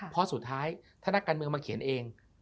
เพราะสุดท้ายถ้านักการเมืองมาเขียนเอง